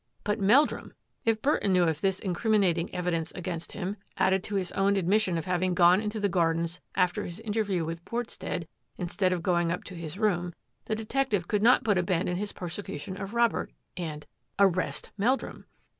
But Meldrum ! If Burton knew of this incrim inating evidence against him, added to his owi! admission of having gone into the gardens after his interview with Portstead instead of going up to his room, the detective could not but abandon his persecution of Robert and — arrest Meldrum!